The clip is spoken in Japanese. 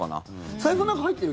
財布の中入ってる？